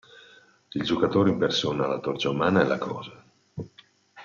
Il giocatore impersona la Torcia Umana e la Cosa.